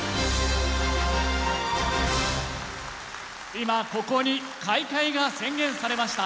今ここに開会が宣言されました。